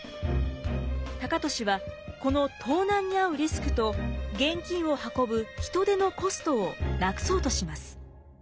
高利はこの盗難に遭うリスクと現金を運ぶ人手のコストをなくそうとします。